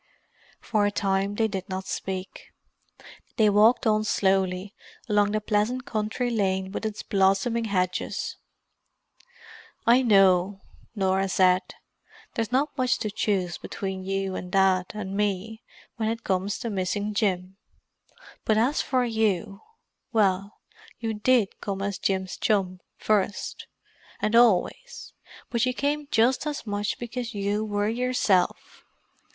For a time they did not speak. They walked on slowly, along the pleasant country lane with its blossoming hedges. "I know," Norah said. "There's not much to choose between you and Dad and me, when it comes to missing Jim. But as for you—well you did come as Jim's chum first—and always; but you came just as much because you were yourself.